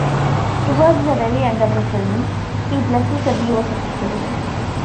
Towards the very end of the film he blesses the viewers of the film.